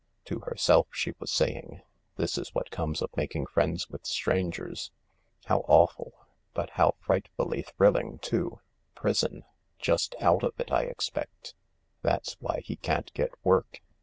To herself she was saying :" This is what comes of making friends with strangers. How awful 1 But how frightfully thrilling too ! Prison ! Just out of it, I expect ! That's why he can't get work.